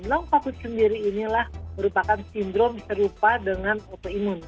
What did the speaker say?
long covid sendiri inilah merupakan sindrom serupa dengan autoimun